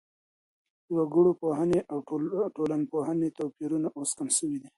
د وګړپوهني او ټولنپوهني توپيرونه اوس کم سوي دي.